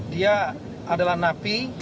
dia adalah napi